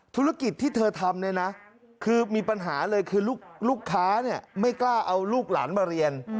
ธุรกิจที่เธอทำเนี่ยนะคือมีปัญหาเลยคือลูกค้าไม่กล้าเอาลูกหลานมาเรียน